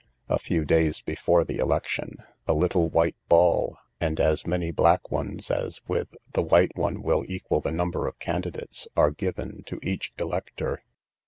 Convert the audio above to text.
A few days before the election, a little white ball, and as many black ones as with the white one will equal the number of candidates, are given to each elector.